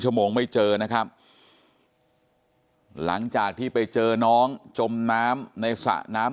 โมงไม่เจอนะครับหลังจากที่ไปเจอน้องจมน้ำในสระน้ำ